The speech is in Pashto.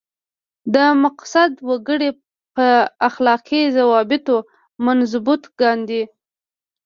دا مقصد وګړي په اخلاقي ضوابطو منضبط کاندي.